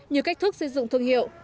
nhiều cách thức xây dựng thương hiệu